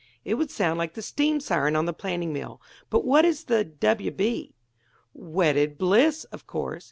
"It would sound like the steam siren on the planing mill. But what is the 'W. B.'?" "'Wedded Bliss,' of course.